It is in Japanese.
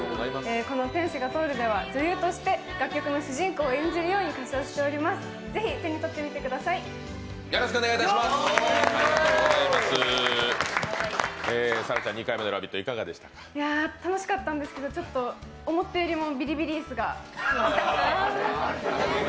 この「天使が通る」では女優として楽曲の主人公を演じるように歌唱しております。ぜひ手にとってみてください。楽しかったんですけど思ったほどビリビリ椅子が痛かったです。